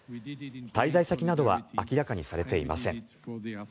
滞在先などは明らかにされていません。